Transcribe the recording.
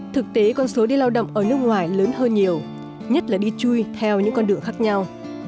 thực tế con số đi lao động ở nước ngoài lớn hơn nhiều nhất là đi chui theo những con đường khác nhau